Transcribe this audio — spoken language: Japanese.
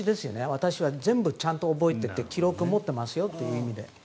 私は全部ちゃんと覚えてて記録を持っていますよという意味で。